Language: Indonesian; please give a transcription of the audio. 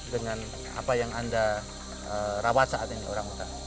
dengan apa yang anda rawat saat ini orangutan